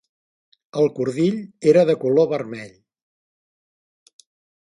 El cordill era de color vermell.